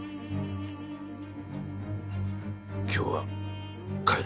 今日は帰る。